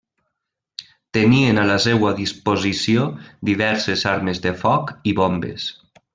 Tenien a la seua disposició diverses armes de foc i bombes.